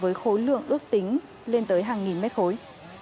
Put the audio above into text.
với khối lượng ước tính lên tới hàng nghìn mét khối